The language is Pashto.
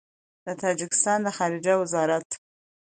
د تاجکستان د خارجه وزارت